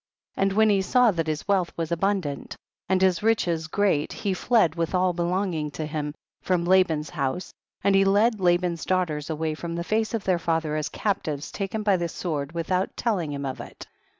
10. And when he saw that his wealth was abundant and his riches great he fled with all belonging to him, from Laban's house^ and he led Laban's daughters away from the face of tiieir father, as captives taken by the sword, without telling him of it.